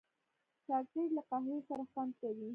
چاکلېټ له قهوې سره خوند کوي.